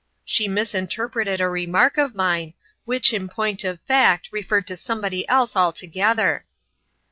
She misinterpreted a re mark of mine, which, in point of fact, referred to somebody else altogether."